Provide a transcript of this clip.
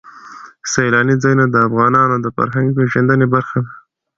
سیلاني ځایونه د افغانانو د فرهنګي پیژندنې برخه ده.